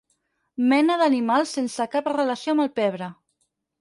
Mena d'animal sense cap relació amb el pebre.